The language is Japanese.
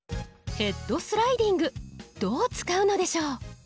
「ヘッドスライディング」どう使うのでしょう？